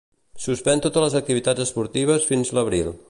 Suspèn totes les activitats esportives fins l'abril.